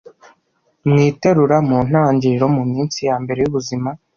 Mu iterura: mu ntangiriro, mu minsi ya mbere y’ubuzima.